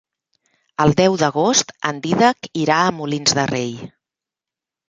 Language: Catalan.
El deu d'agost en Dídac irà a Molins de Rei.